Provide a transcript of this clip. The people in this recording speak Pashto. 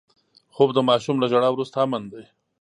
خوب د ماشوم له ژړا وروسته امن دی